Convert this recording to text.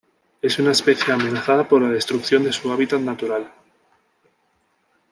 Es una especie amenazada por la destrucción de su hábitat natural.